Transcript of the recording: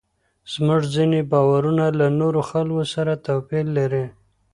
زموږ ځینې باورونه له نورو خلکو سره توپیر لري.